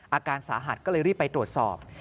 อาการสาหัสก็เลยรีบไปตรวจสอบ